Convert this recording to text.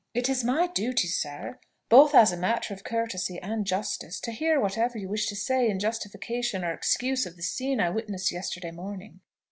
"It is my duty, sir, both as a matter of courtesy and justice, to hear whatever you wish to say in justification or excuse of the scene I witnessed yesterday morning.